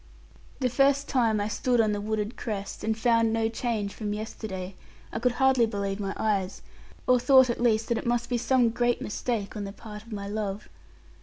The first time I stood on the wooded crest, and found no change from yesterday, I could hardly believe my eyes, or thought at least that it must be some great mistake on the part of my love.